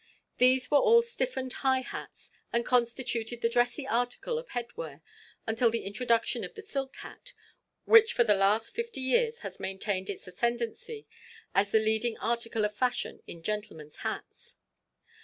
These were all stiffened high hats, and constituted the dressy article of headwear until the introduction of the silk hat, which for the last fifty years has maintained its ascendency as the leading article of fashion in gentlemen's hats.